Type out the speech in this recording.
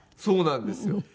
そうなんですよ。